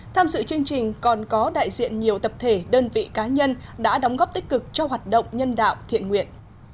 tham dự chương trình còn có đại diện nhiều tập thể đơn vị cá nhân đã đóng góp tích cực cho hoạt động nhân đạo thiện nguyện